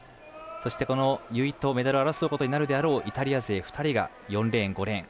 そして、この由井とメダルを争うことになるであろうイタリア勢２人が４レーン、５レーン。